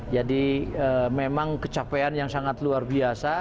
jadi memang kecapean yang sangat luar biasa